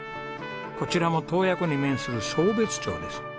こちらも洞爺湖に面する壮瞥町です。